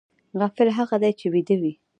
غافل هغه دی چې ویده وي